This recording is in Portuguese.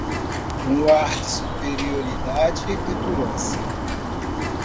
Com um ar de superioridade e petulância